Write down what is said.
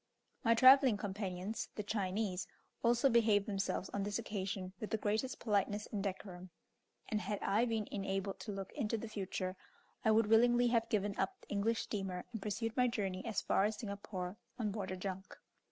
My travelling companions, the Chinese, also behaved themselves on this occasion with the greatest politeness and decorum; and, had I been enabled to look into the future, I would willingly have given up the English steamer and pursued my journey as far as Singapore on board a junk.